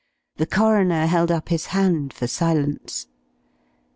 The coroner held up his hand for silence.